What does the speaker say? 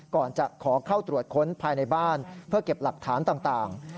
ก่อนจะขอเข้าตรวจค้นภายในบ้านเพื่อเก็บหลักฐานต่าง